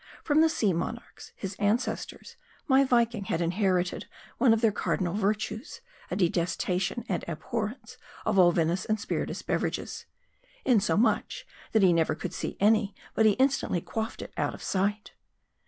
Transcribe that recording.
From the sea rnonarchs, his ancestors, my Viking had inherited one of their cardinal virtues, a detesta tion and abhorrence of all vinous and spirituous beverages ; insomuch, that he never could see any, but he instantly quaffed it out of sight.